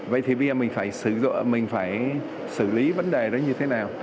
vậy thì bây giờ mình phải xử lý vấn đề đó như thế nào